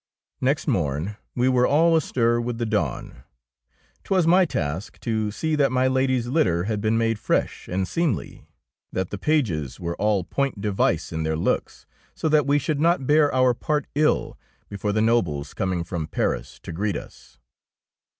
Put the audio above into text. Next morn we were all astir with the dawn. 'T was my task to see that 34 THE ROBE OF THE DUCHESS my Lady's litter had been made fresh and seemly, that the pages were all point device in their looks, so that we should not bear our part ill before the nobles coming from Paris to greet us.